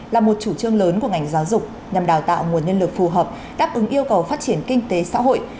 là một chủ trương lớn của ngành giáo dục nhằm đào tạo nguồn nhân lực phù hợp đáp ứng yêu cầu phát triển kinh tế xã hội